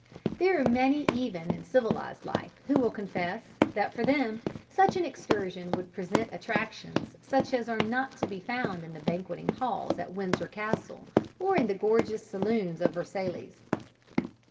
There are many even in civilized life who will confess, that for them, such an excursion would present attractions such as are not to be found in the banqueting halls at Windsor Castle, or in the gorgeous saloons of Versailles.